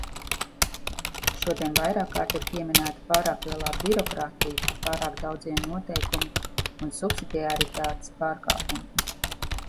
Šodien vairākkārt ir pieminēta pārāk lielā birokrātija, pārāk daudzie noteikumi un subsidiaritātes pārkāpumi.